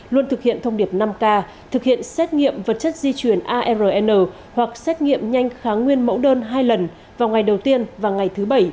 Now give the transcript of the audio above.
luôn thực hiện thông điệp năm k thực hiện xét nghiệm vật chất di chuyển arn hoặc xét nghiệm nhanh kháng nguyên mẫu đơn hai lần vào ngày đầu tiên và ngày thứ bảy